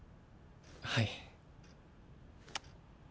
はい。